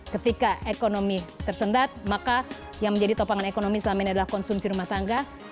ketika ekonomi tersendat maka yang menjadi topangan ekonomi selama ini adalah konsumsi rumah tangga